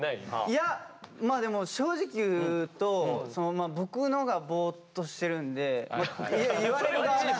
いやまあでも正直言うと僕のがボーッとしてるんで言われる側なんで。